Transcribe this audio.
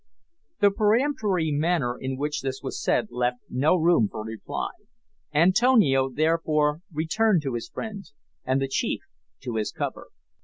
The peremptory manner in which this was said left no room for reply. Antonio therefore returned to his friends, and the chief to his cover.